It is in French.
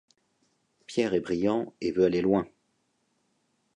Pierre est brillant et veut aller loin.